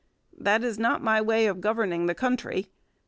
That is not my way of governing the country.